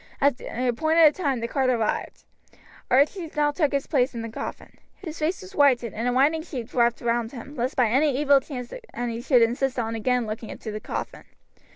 At the appointed time the cart arrived. Archie now took his place in the coffin. His face was whitened, and a winding sheet wrapped round him, lest by an evil chance any should insist on again looking into the coffin.